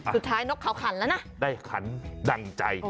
สุดท้ายนกเขาขันละได้ขันดั่งใจ